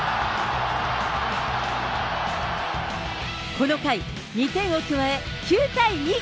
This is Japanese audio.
この回、２点を加え９対２。